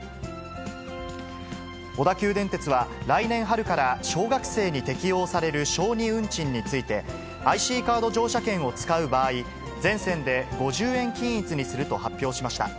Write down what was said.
小田急電鉄は、来年春から小学生に適用される小児運賃について、ＩＣカード乗車券を使う場合、全線で５０円均一にすると発表しました。